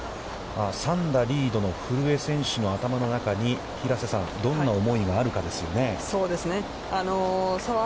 ３打リードの古江選手の頭の中に平瀬さん、どんな思いがあるかですよね。